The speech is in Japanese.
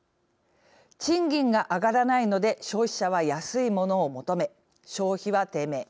賃金が上がらないので消費者は安いものを求め消費は低迷。